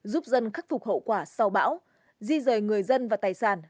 giúp dân khắc phục hậu quả sau bão di rời người dân và tài sản